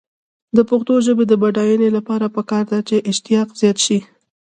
د پښتو ژبې د بډاینې لپاره پکار ده چې اشتقاق زیات شي.